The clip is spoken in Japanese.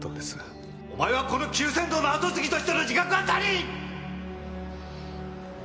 お前はこの久泉堂の跡継ぎとしての自覚が足りん！